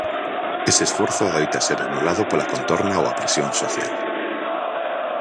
Ese esforzo adoita ser anulado pola contorna ou a presión social.